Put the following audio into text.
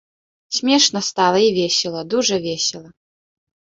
Смешна стала і весела, дужа весела.